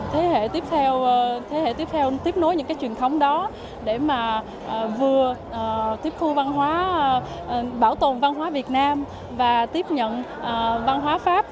thế hệ tiếp theo tiếp nối những cái truyền thống đó để mà vừa tiếp thu văn hóa bảo tồn văn hóa việt nam và tiếp nhận văn hóa pháp